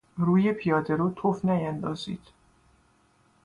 روی پیادهرو تف نیاندازید!